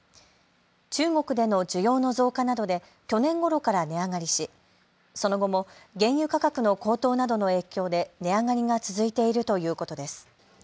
中国での需要の増加などで去年ごろから値上がりしその後も原油価格の高騰などの影響で値上がりが続いているということです。